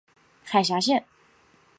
海峡线。